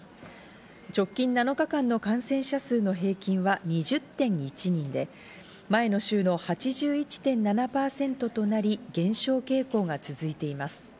直近７日間の感染者数の平均は２０．１人で、前の週の８１．７％となり、減少傾向が続いています。